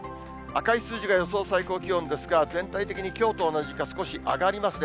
赤い数字が予想最高気温ですが、全体的にきょうと同じか、少し上がりますね。